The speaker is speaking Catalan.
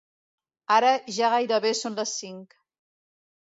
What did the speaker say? Ara ja gairebé són les cinc.